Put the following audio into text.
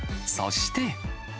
そして。